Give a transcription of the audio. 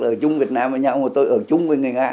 ở chung việt nam với nhau mà tôi ở chung với người nga